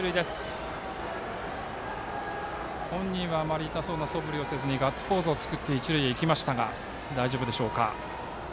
本人はあまり痛そうなそぶりをせずにガッツポーズを作って一塁へ行きましたが大丈夫でしょうか。